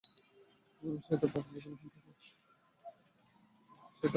সে তার পাপের বোঝা বহন করে চললো।